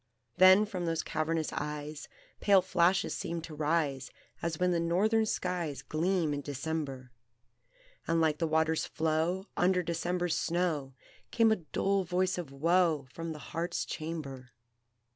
Then from those cavernous eyes Pale flashes seemed to rise, As when the Northern skies Gleam in December; And, like the water's flow Under December's snow, Came a dull voice of woe From the heart's chamber.